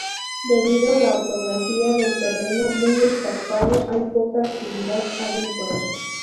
Debido a la orografía del terreno, muy escarpado, hay poca actividad agrícola.